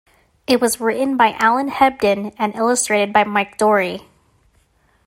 It was written by Alan Hebden and illustrated by Mike Dorey.